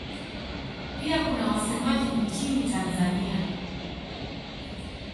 Pia kuna wasemaji nchini Tanzania.